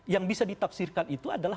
yang bisa ditafsirkan itu adalah